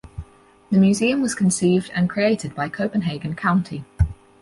The museum was conceived and created by Copenhagen County.